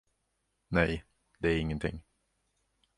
Nej, det är ingenting.